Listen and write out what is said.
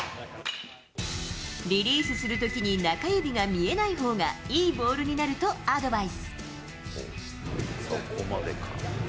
リリースするときに中指が見えないほうがいいボールになるとアドバイス。